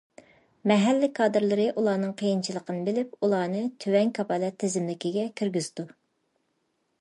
مەھەللە كادىرلىرى ئۇلارنىڭ قىيىنچىلىقىنى بىلىپ، ئۇلارنى« تۆۋەن كاپالەت» تىزىملىكىگە كىرگۈزىدۇ.